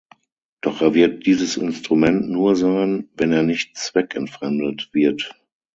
Doch er wird dieses Instrument nur sein, wenn er nicht zweckentfremdet wird.